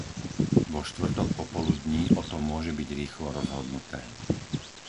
Vo štvrtok popoludní o tom môže byť rýchlo rozhodnuté.